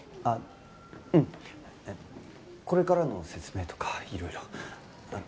あっうんこれからの説明とかいろいろ。